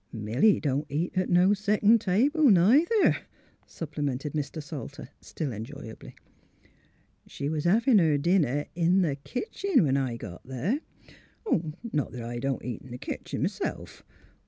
*' Milly don't eat at no second table, neither," supplemented Mr. Salter, still enjoyably. " She was havin' her dinner in the kitchen when I got there. Not that I don't eat in th' kitchen m'self.